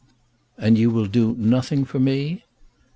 "And you will do nothing for me?"